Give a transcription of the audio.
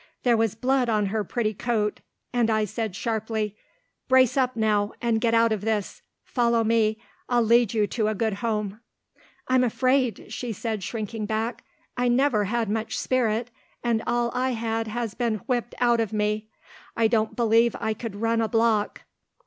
There was blood on her pretty coat, and I said sharply, "Brace up, now, and get out of this. Follow me, I'll lead you to a good home." "I'm afraid," she said shrinking back. "I never had much spirit, and all I had has been whipped out of me. I don't believe I could run a block."